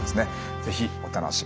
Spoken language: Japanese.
是非お楽しみに。